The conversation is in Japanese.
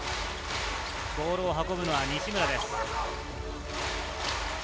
ボールを運ぶのは西村です。